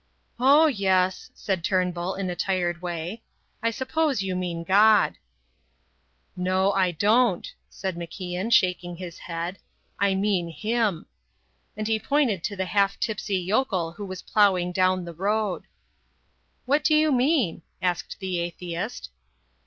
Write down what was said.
"Oh, yes," said Turnbull in a tired way, "I suppose you mean God." "No, I don't," said MacIan, shaking his head. "I mean him." And he pointed to the half tipsy yokel who was ploughing down the road. "What do you mean?" asked the atheist.